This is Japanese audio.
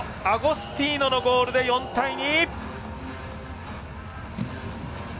アゴスティーノのゴールで４対２。